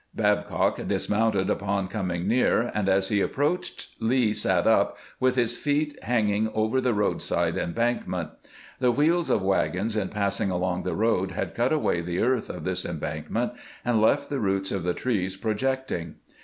Babcock dismounted upon coming near, and as he ap proached Lee sat up, Avith his feet hanging over the road side embankment. The wheels of wagons, in passing along the road, had cut away the earth of this embank ment, and left the roots of the tree projecting.